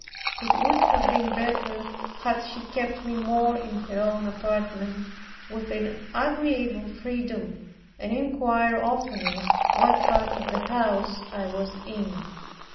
It would have been better had she kept me more in her own apartment, with an agreeable freedom and inquired oftener what part of the house I was in.